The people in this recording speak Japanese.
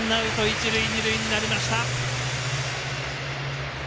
一塁二塁になりました。